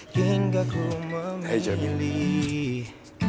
hingga ku memilih